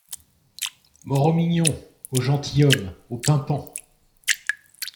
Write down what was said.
Mort au mignon !… au gentilhomme !… au pimpant !